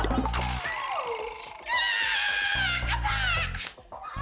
yuk gimana sih cik ika